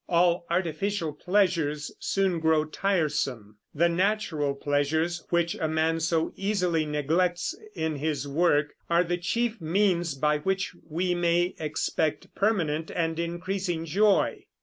All artificial pleasures soon grow tiresome. The natural pleasures, which a man so easily neglects in his work, are the chief means by which we may expect permanent and increasing joy.